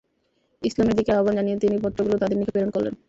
ইসলামের দিকে আহবান জানিয়ে তিনি পত্রগুলো তাদের নিকট প্রেরণ করলেন।